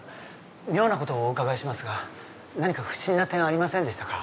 妙なことをお伺いしますが何か不審な点ありませんでしたか？